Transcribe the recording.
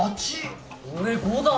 俺５だ。